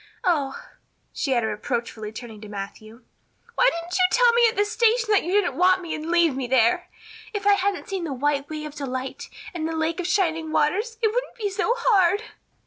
Oh," she added reproachfully, turning to Matthew, "why didn't you tell me at the station that you didn't want me and leave me there? If I hadn't seen the White Way of Delight and the Lake of Shining Waters it wouldn't be so hard."